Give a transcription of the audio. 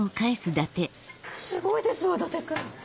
すごいですわ伊達君。